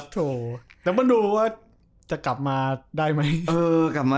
โถแต่มาดูว่าจะกลับมาได้ไหม